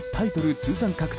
通算獲得